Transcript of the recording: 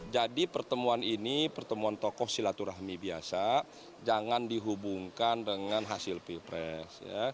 jadi pertemuan ini pertemuan tokoh silaturahmi biasa jangan dihubungkan dengan hasil pipres